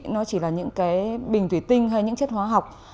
nó chỉ là những cái bình thủy tinh hay những chất hóa học